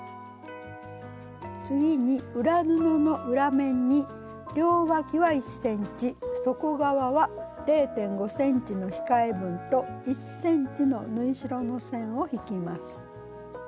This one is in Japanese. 次に裏布の裏面に両わきは１ｃｍ底側は０．５ｃｍの控え分と１ｃｍの縫い代の線を引きます。